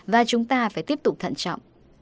và chúng ta phải tiếp tục thận trọng